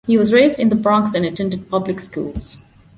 He was raised in the Bronx and attended public schools.